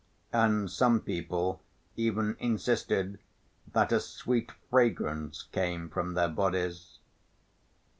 And some people even insisted that a sweet fragrance came from their bodies.